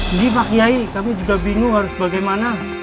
ini pak kiai kami juga bingung harus bagaimana